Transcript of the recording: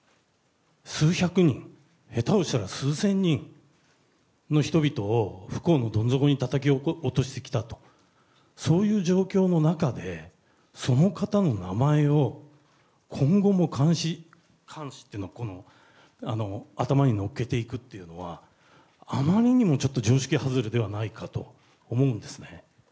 数百人、下手をしたら数千人の人々を不幸のどん底にたたき落としてきたと、そういう状況の中で、その方の名前を今後も冠し、冠しというのは、頭にのっけていくっていうのは、あまりにもちょっと常識外れではないかと思うんですね。